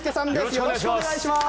よろしくお願いします。